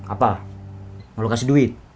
apa mau kasih duit